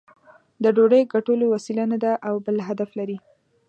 د ډوډۍ ګټلو وسیله نه ده او بل هدف لري.